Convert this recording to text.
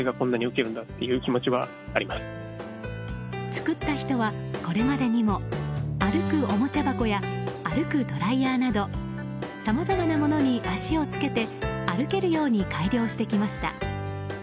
作った人は、これまでにも歩くおもちゃ箱や歩くドライヤーなどさまざまなものに脚をつけて歩けるように改良してきました。